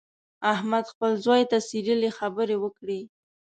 احمد خپل زوی ته څیرلې خبرې وکړې.